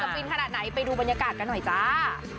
ฟินขนาดไหนไปดูบรรยากาศกันหน่อยจ้า